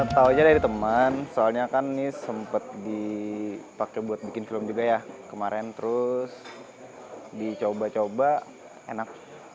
tahunya dari teman soalnya kan ini sempat dipakai buat bikin film juga ya kemarin terus dicoba coba enak